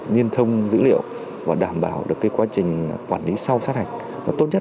nhiên thông dữ liệu và đảm bảo được cái quá trình quản lý sau sát hạch là tốt nhất